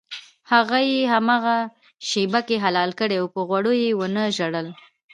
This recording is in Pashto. هغه یې هماغې شېبه کې حلال کړی و په غوړیو یې ونه ژړل.